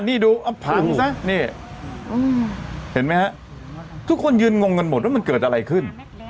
นี่ดูอำพังซะนี่เห็นไหมฮะทุกคนยืนงงกันหมดว่ามันเกิดอะไรขึ้น